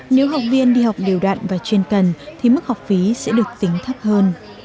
nếu học viên đi học điều đoạn và chuyên cần thì mức học phí sẽ được tính thấp hơn